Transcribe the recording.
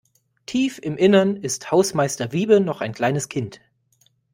Tief im Innern ist Hausmeister Wiebe noch ein kleines Kind.